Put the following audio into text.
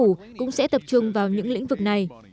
phủ cũng sẽ tập trung vào những lĩnh vực này